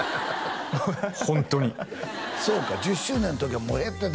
ホントにそうか１０周年の時はもう減ってた？